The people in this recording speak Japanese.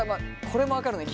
これも分かるね